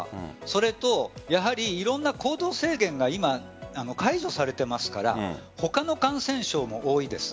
それと、やはりいろんな行動制限が今、解除されていますから他の感染症も多いです。